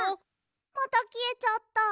またきえちゃった。